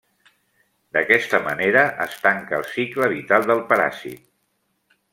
D'aquesta manera es tanca el cicle vital del paràsit.